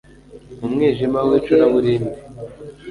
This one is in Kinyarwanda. mu mwijima w'icuraburindi